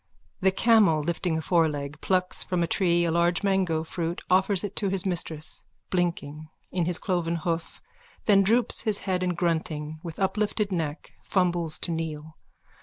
_(The camel, lifting a foreleg, plucks from a tree a large mango fruit, offers it to his mistress, blinking, in his cloven hoof, then droops his head and, grunting, with uplifted neck, fumbles to kneel.